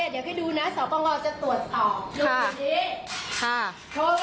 เดี๋ยวก็ดูนะสาวปังรอจะตรวจสอบค่ะดูดิค่ะโทร